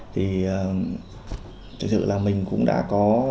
thì thực sự là mình cũng đã có